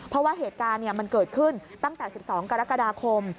เพราะว่าเหตุการณ์มันเกิดขึ้นตั้งแต่๑๒กรกฎาคม